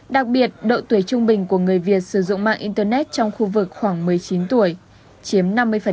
đặc biệt độ tuổi trung bình của người việt sử dụng mạng internet trong khu vực khoảng một mươi chín tuổi chiếm năm mươi